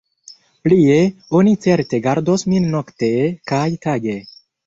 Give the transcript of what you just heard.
Plie, oni certe gardos min nokte kaj tage.